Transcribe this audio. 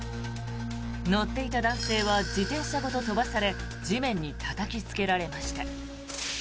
乗っていた男性は自転車ごと飛ばされ地面にたたきつけられました。